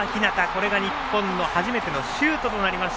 これが日本の初めてのシュートとなりました。